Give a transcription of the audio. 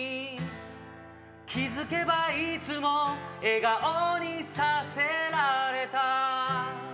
気付けばいつも笑顔にさせられた